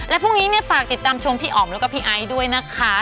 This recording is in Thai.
และพรุ่งนี้ฝากติดตามพี่อ๋อมแล้วกับพี่ไอด้วยนะคะ